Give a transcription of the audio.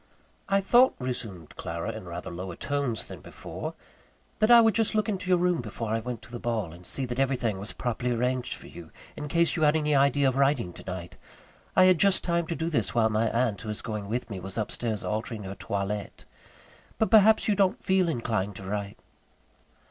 "I thought," resumed Clara, in rather lower tones than before, "that I would just look into your room before I went to the ball, and see that everything was properly arranged for you, in case you had any idea of writing tonight; I had just time to do this while my aunt, who is going with me, was upstairs altering her toilette. But perhaps you don't feel inclined to write?"